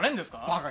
バカ。